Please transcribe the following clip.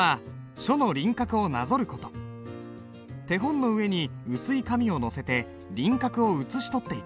手本の上に薄い紙を載せて輪郭を写し取っていく。